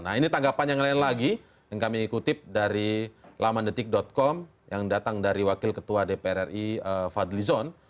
nah ini tanggapan yang lain lagi yang kami kutip dari lamandetik com yang datang dari wakil ketua dpr ri fadli zon